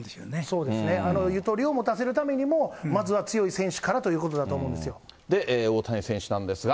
そうですね、ゆとりを持たせるためにも、まずは強い選手から大谷選手なんですが。